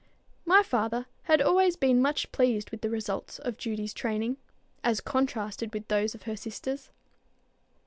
My father had always been much pleased with the results of Judy's training, as contrasted with those of his sister's.